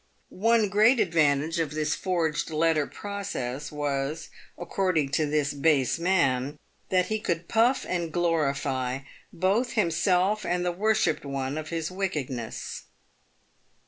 One great advantage of this forged letter process was — according to this base man — that he could puff and glorify both himself and the wor shipped one of his wickedness.